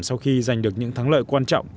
sau khi giành được những thắng lợi quan trọng